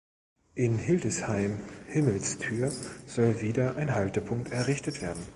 In Hildesheim-Himmelsthür soll wieder ein Haltepunkt errichtet werden.